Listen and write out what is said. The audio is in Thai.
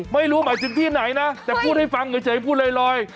ไม่รู้หมายถึงที่ไหนนะแต่พูดให้ฟังเฉยพูดลอย